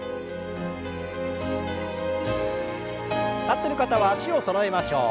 立ってる方は脚をそろえましょう。